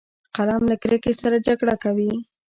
قلم له کرکې سره جګړه کوي